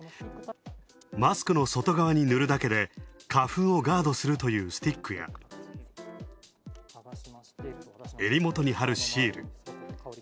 マスクの外側に塗るだけで花粉をガードするというスティックやえりもとにはるシール。